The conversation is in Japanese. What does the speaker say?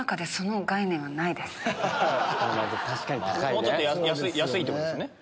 もうちょっと安いってことですよね？